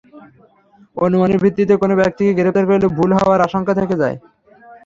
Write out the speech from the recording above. অনুমানের ভিত্তিতে কোনো ব্যক্তিকে গ্রেপ্তার করলে ভুল হওয়ার আশঙ্কা থেকে যায়।